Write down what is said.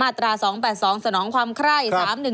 มาตรา๒๘๒สนองความไคร่